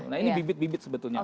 nah ini bibit bibit sebetulnya